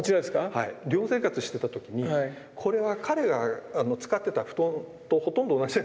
はい寮生活してた時にこれは彼が使ってた布団とほとんど同じなんですよね。